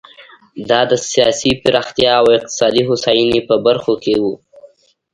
دا د سیاسي پراختیا او اقتصادي هوساینې په برخو کې و.